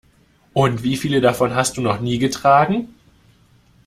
Und wie viele davon hast du noch nie getragen?